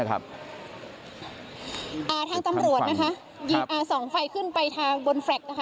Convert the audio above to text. ทางตำรวจส่องไฟขึ้นไปทางบนแฟลก